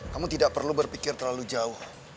kamu tidak perlu berpikir terlalu jauh